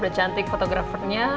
udah cantik fotografernya